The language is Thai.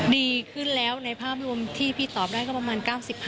ดีขึ้นแล้วในภาพรวมที่พี่ตอบได้ก็ประมาณ๙๕